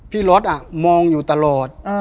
พี่รถมองอยู่ตลอด